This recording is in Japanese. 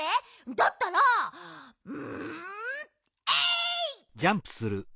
だったらんえいっ！